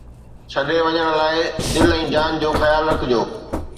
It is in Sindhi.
ڇڏي وڃڻ لاءِ دل ۽ جان جو خيال رکجو